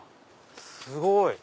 すごい！